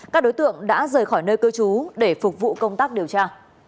các đối tượng đã rời khỏi nơi cơ chú để phục vụ công tác điều tra